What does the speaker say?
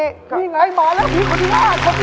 นี่ไงมาแล้วพี่คนนี้ล่ะชั้นไม่พูดถึง